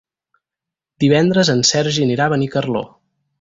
Divendres en Sergi anirà a Benicarló.